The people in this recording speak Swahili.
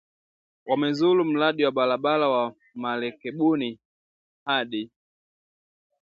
wamezuru mradi wa barabara wa Marekebuni hadi